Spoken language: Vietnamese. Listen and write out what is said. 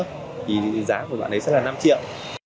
thì giá của bạn ấy sẽ là năm triệu